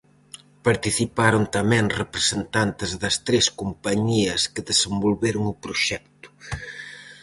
Participaron tamén representantes das tres compañías que desenvolveron o proxecto.